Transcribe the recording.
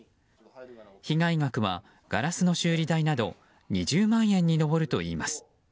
被害額はガラスの修理代など２０万円に上るといいます。